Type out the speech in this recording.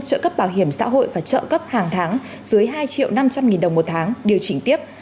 trợ cấp bảo hiểm xã hội và trợ cấp hàng tháng dưới hai triệu năm trăm linh nghìn đồng một tháng điều chỉnh tiếp